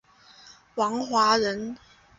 王华人。